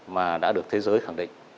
mà đã được thế giới khẳng định